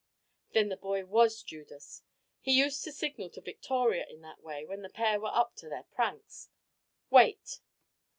"Then the boy was Judas. He used to signal to Victoria in that way when the pair were up to their pranks. Wait!"